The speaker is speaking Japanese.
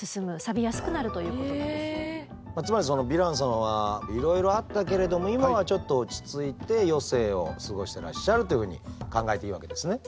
つまりそのヴィラン様はいろいろあったけれども今はちょっと落ち着いて余生を過ごしてらっしゃるというふうに考えていいわけですね。